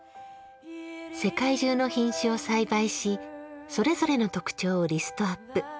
世界中の品種を栽培しそれぞれの特徴をリストアップ。